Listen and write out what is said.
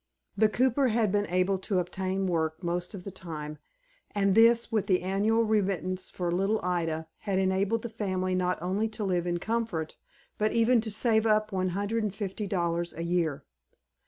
The cooper had been able to obtain work most of the time, and this, with the annual remittance for little Ida, had enabled the family not only to live in comfort, but even to save up one hundred and fifty dollars a year.